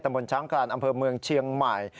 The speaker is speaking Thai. ตำรวจช้างกลางอำเภอเมืองเชียงใหม่